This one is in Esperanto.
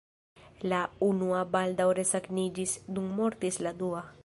La unua baldaŭ resaniĝis, dum mortis la dua.